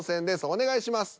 お願いします。